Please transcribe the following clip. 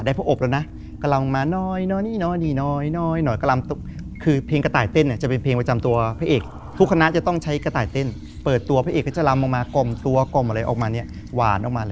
ได้พออบแล้วนะ